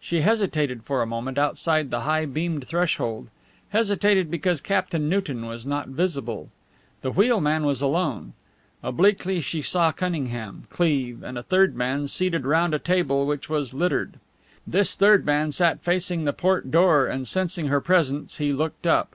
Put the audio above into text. She hesitated for a moment outside the high beamed threshold hesitated because Captain Newton was not visible. The wheelman was alone. Obliquely she saw Cunningham, Cleve, and a third man seated round a table which was littered. This third man sat facing the port door, and sensing her presence he looked up.